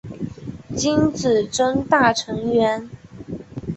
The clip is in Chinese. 金子真大成员。